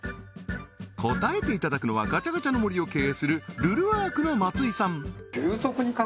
答えていただくのはガチャガチャの森を経営するルルアークの松井さん